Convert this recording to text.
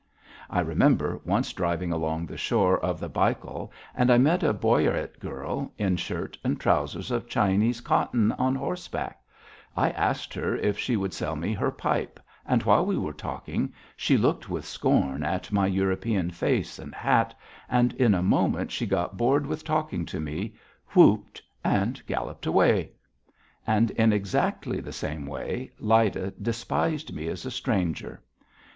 I remember once driving along the shore of the Baikal and I met a Bouryat girl, in shirt and trousers of Chinese cotton, on horseback: I asked her if she would sell me her pipe and, while we were talking, she looked with scorn at my European face and hat, and in a moment she got bored with talking to me, whooped and galloped away. And in exactly the same way Lyda despised me as a stranger.